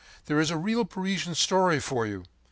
There is a real Parisian story for you!